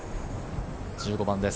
１５番です。